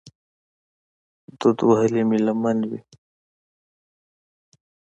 دود وهلې مې لمن وي